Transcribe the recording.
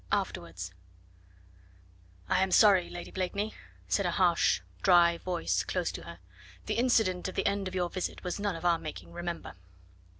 AFTERWARDS "I am sorry, Lady Blakeney," said a harsh, dry voice close to her; "the incident at the end of your visit was none of our making, remember."